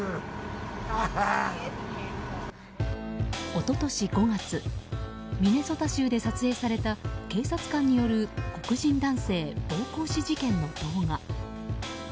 一昨年５月ミネソタ州で撮影された警察官による黒人男性暴行死事件の動画。